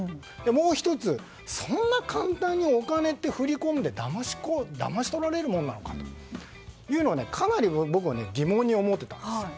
もう１つ、そんな簡単にお金って振り込んでだまし取られるもんなのかというのがかなり僕は疑問に思っていたんですよ。